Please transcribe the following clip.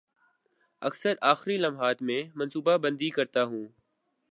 اکثر آخری لمحات میں منصوبہ بندی کرتا ہوں